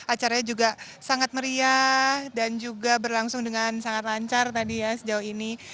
acaranya juga sangat meriah dan juga berlangsung dengan sangat lancar tadi ya sejauh ini